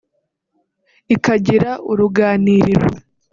ikagira uruganiriro